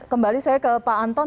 kembali saya ke pak anton